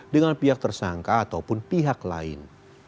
dengan pihak tersangka ataupun pihak lain